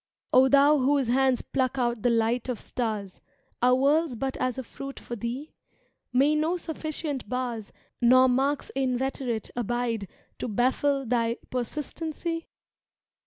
O thou whose hands pluck out the light of stars. Are worlds but as a fruit for thee? May no sufficient bars. Nor marks inveterate abide To baffle thy persistency?